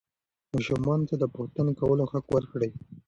ماشومانو ته د پوښتنې کولو حق ورکړئ.